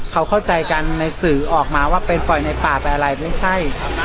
เขาเข้าใจกันในสื่อออกมาว่าไปปล่อยในป่าไปอะไรไม่ใช่